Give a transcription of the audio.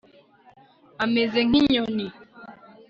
Ameze nkinyoni